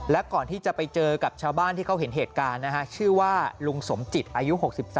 และก่อนที่จะไปเจอกับชาวบ้านที่เขาเห็นเหตุการณ์นะฮะชื่อว่าลุงสมจิตอายุ๖๓